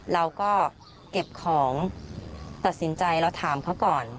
เราก็เก็บของตัดสินใจเราถามเขาก่อน